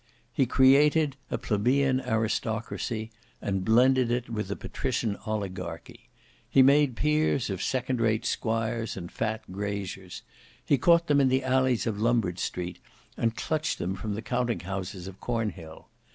He created a plebeian aristocracy and blended it with the patrician oligarchy. He made peers of second rate squires and fat graziers. He caught them in the alleys of Lombard Street, and clutched them from the counting houses of Cornhill.